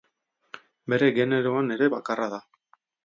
Bere generoan ere bakarra da.